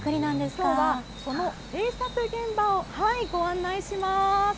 きょうはこの製作現場をご案内します。